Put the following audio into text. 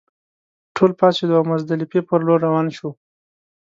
ټول پاڅېدو او مزدلفې پر لور روان شوو.